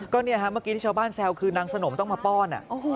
ก็เนี่ยฮะเมื่อกี้ที่ชาวบ้านแซวคือนางสนมต้องมาป้อน